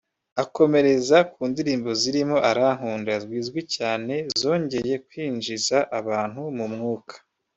akomereza ku ndirimbo zirimo “Arankunda” zizwi cyane zongeye kwinjiza abantu mu mwuka